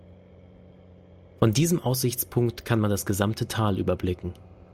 Von diesem Aussichtspunkt kann man das gesamte Tal überblicken.